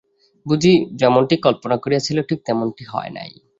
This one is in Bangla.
বুঝি যেমনটি কল্পনা করিয়াছিল ঠিক তেমনটি হয় নাই।